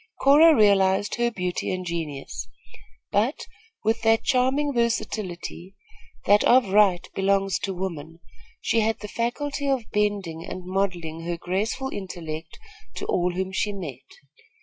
Cora realized her beauty and genius; but, with that charming versatility, that of right belongs to woman, she had the faculty of bending and modelling her graceful intellect to all whom she met.